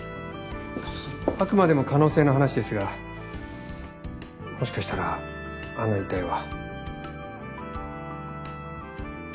あくまでも可能性の話ですがもしかしたらあの遺体は。